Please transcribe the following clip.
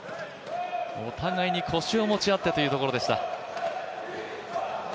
お互いに腰を持ち合ってというところでした。